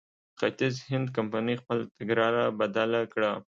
ختیځ هند کمپنۍ خپله تګلاره بدله کړه.